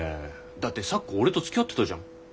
だって咲子俺とつきあってたじゃん。